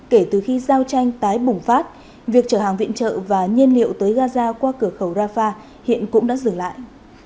kể từ khi giao tranh tái bùng phát việc trở hàng viện trợ và nhiên liệu tới gaza qua cửa khẩu rafah hiện cũng đã dừng lại